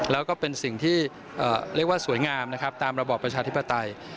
แล้วก็เป็นสิ่งที่เรียกว่าสวยงามนะครับตามระบอบประชาธิปไตย